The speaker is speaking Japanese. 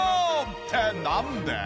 ってなんで？